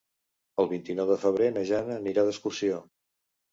El vint-i-nou de febrer na Jana anirà d'excursió.